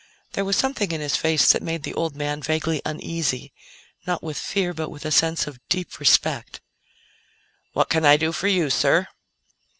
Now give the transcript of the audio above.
There was something in his face that made the old man vaguely uneasy not with fear but with a sense of deep respect. "What can I do for you, sir?"